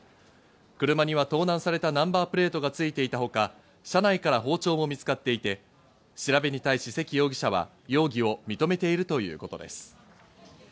車には盗難されたナンバープレートがついていたほか、車内から包丁も見つかっていて、調べに対し関容疑者は容疑を認めているということです。